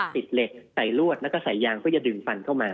เหล็กใส่ลวดแล้วก็ใส่ยางเพื่อจะดึงฟันเข้ามา